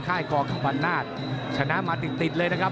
ค่ายกรกภรรณาชชนะมาติดเลยนะครับ